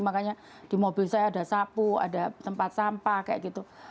makanya di mobil saya ada sapu ada tempat sampah kayak gitu